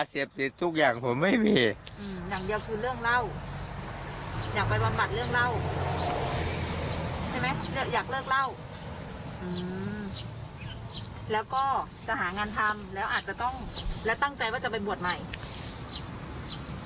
อืมแล้วก็จะหางานทำแล้วอาจจะต้องแล้วตั้งใจว่าจะไปบวชใหม่